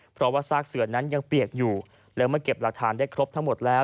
เพราะว่าซากเสือนั้นยังเปียกอยู่แล้วมาเก็บหลักฐานได้ครบทั้งหมดแล้ว